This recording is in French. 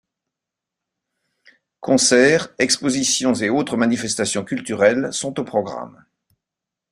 Concerts, expositions et autres manifestations culturelles sont au programme.